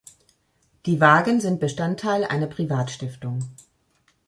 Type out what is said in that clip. Die Wagen sind Bestandteil einer Privatstiftung.